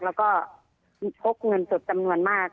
แล้วก็มีพกเงินสดจำนวนมาก